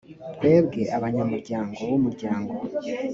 twebwe abanyamuryango b umuryango